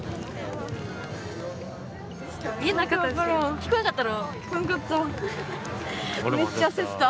聞こえんかったろ？